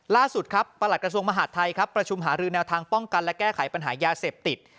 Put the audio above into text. ล่าสุดครับประหลัดกระทรวงมหาดไทยครับประชุมหารือแนวทางป้องกันและแก้ไขปัญหายาเสพติด